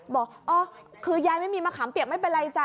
บอกอ๋อคือยายไม่มีมะขามเปียกไม่เป็นไรจ้ะ